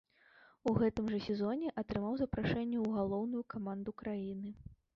У гэтым жа сезоне атрымаў запрашэнне ў галоўную каманду краіны.